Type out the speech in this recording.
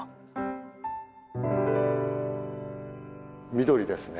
緑ですね。